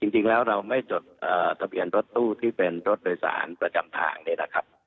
จริงแล้วเราไม่จดทะเบียนรถตู้ที่เป็นรถโดยสารประจำทางเนี่ยนะครับ